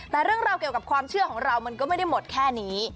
แต่เรื่องราวเกี่ยวกับความเชื่อของเรามันก็ไม่ได้หมดแค่นี้